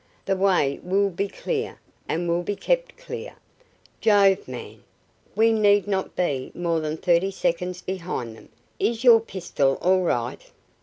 The way will be clear, and will be kept clear. Jove, man, we need not be more than thirty seconds behind them. Is your pistol all right?"